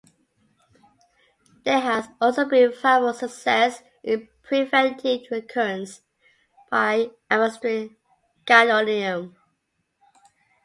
There has also been variable success in preventing recurrence by administering gadolinium.